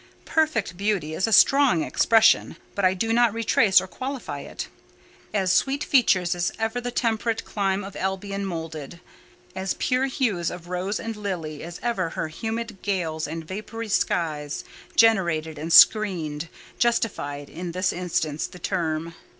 Perfect beauty is a strong expression; but I do not retrace or qualify it: as sweet features as ever the temperate clime of Albion moulded; as pure hues of rose and lily as ever her humid gales and vapoury skies generated and screened, justified, in this instance, the term.